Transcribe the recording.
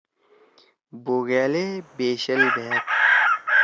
بوگیال ئے بیشِل بھأد۔